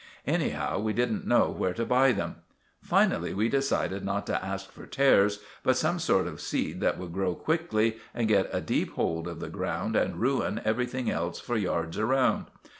Anyhow, we didn't know where to buy them. Finally we decided not to ask for tares, but some sort of seed that would grow quickly, and get a deep hold of the ground, and ruin anything else for yards round.